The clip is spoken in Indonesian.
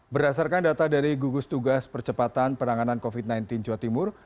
berdasarkan data dari gugus tugas percepatan penanganan covid sembilan belas jawa timur